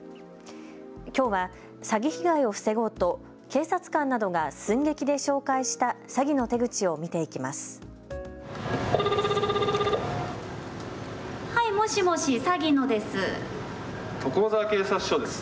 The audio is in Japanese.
きょうは、詐欺被害を防ごうと警察官などが寸劇で紹介した詐欺の手口を見ていきます。